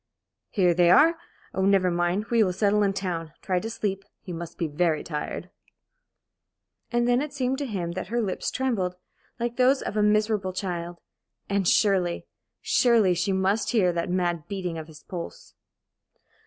"Here they are. Oh, never mind we will settle in town. Try to sleep. You must be very tired." And then it seemed to him that her lips trembled, like those of a miserable child; and surely, surely, she must hear that mad beating of his pulse!